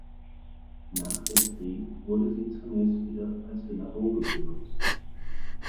Nach dem Krieg wurde sie zunächst wieder als Synagoge genutzt.